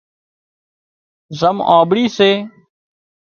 زم آنٻڙي سي